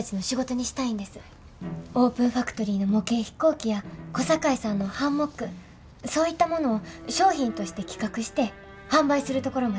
オープンファクトリーの模型飛行機や小堺さんのハンモックそういったものを商品として企画して販売するところまで考えてます。